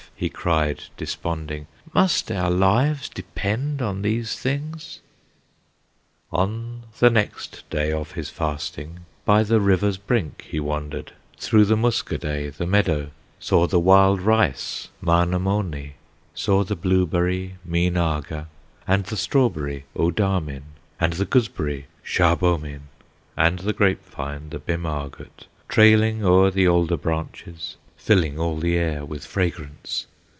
he cried, desponding, "Must our lives depend on these things?" On the next day of his fasting By the river's brink he wandered, Through the Muskoday, the meadow, Saw the wild rice, Mahnomonee, Saw the blueberry, Meenahga, And the strawberry, Odahmin, And the gooseberry, Shahbomin, And the grape vine, the Bemahgut, Trailing o'er the alder branches, Filling all the air with fragrance!